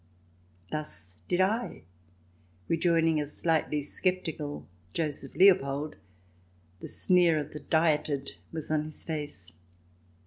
Thus did I, rejoining a slightly sceptical Joseph Leopold ; the sneer of the Dieted was on his face.